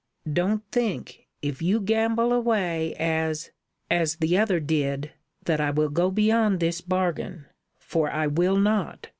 "Don't think, if you gamble away as as the other did, that I will go beyond this bargain, for I will not!"